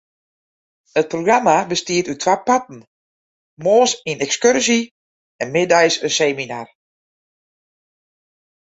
It programma bestiet út twa parten: moarns in ekskurzje en middeis in seminar.